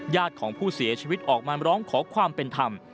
ญาติของผู้เสียชีวิตออกมาร้องขอความเป็นธรรม